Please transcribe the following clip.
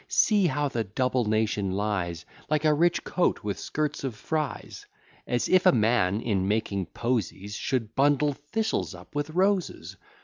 See how the double nation lies, Like a rich coat with skirts of frize: As if a man, in making posies, Should bundle thistles up with roses.